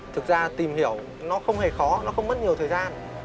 thực ra tìm hiểu nó không hề khó nó không mất nhiều thời gian